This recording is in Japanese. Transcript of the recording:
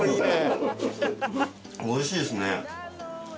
美味しいですね。